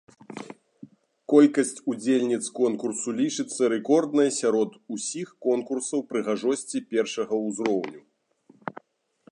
Колькасць удзельніц конкурсу лічыцца рэкорднай сярод усіх конкурсаў прыгажосці першага ўзроўню.